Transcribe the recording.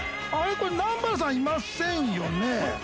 これ南原さんいませんよね。